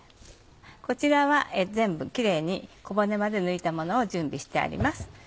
こちらは全部キレイに小骨まで抜いたものを準備してあります。